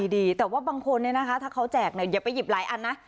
ดีแต่ว่าบางคนเนี่ยนะคะถ้าเขาแจกเนี่ยอย่าไปหยิบหลายอันนะ